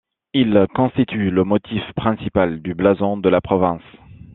Il constitue le motif principal du blason de la province.